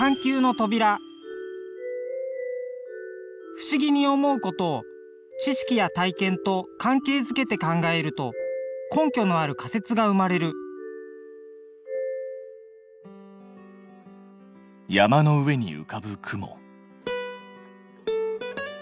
不思議に思うことを知識や体験と関係づけて考えると根拠のある仮説が生まれる山の上にうかぶ雲。